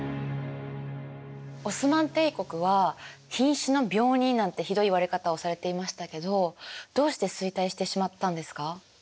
オスマン帝国は瀕死の病人なんてひどい言われ方をされていましたけどどうして衰退してしまったんですか？